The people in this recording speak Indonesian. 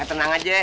eh tenang aja